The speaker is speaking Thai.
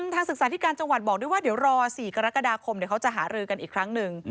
ทางศึกษาธิการจังหวัดบอกด้วยว่าเดี๋ยวรอ๔กรกฎาคมเดี๋ยวเขาจะหารือกันอีกครั้งหนึ่ง